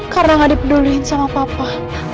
karena gak dipeduliin sama papa